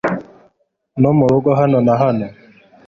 no murugo. Hano na hano